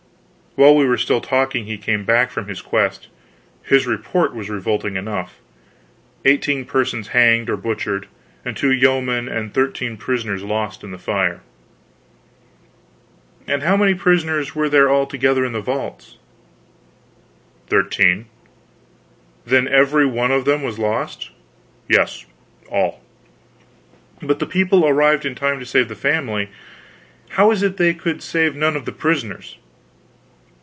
While we were still talking he came back from his quest. His report was revolting enough. Eighteen persons hanged or butchered, and two yeomen and thirteen prisoners lost in the fire. "And how many prisoners were there altogether in the vaults?" "Thirteen." "Then every one of them was lost?" "Yes, all." "But the people arrived in time to save the family; how is it they could save none of the prisoners?"